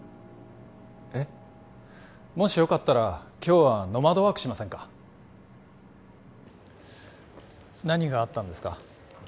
えっ？もしよかったら今日はノマドワークしませんか何があったんですか？